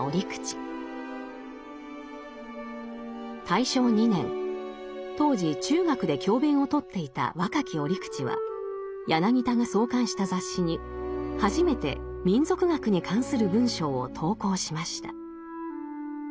大正２年当時中学で教鞭を執っていた若き折口は柳田が創刊した雑誌に初めて民俗学に関する文章を投稿しました。